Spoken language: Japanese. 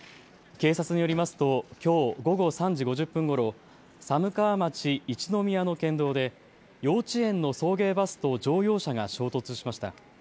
警察によりますときょう午後３時５０分ごろ寒川町一之宮の県道で幼稚園の送迎バスと乗用車が衝突しました。